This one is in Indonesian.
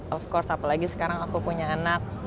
of course apalagi sekarang aku punya anak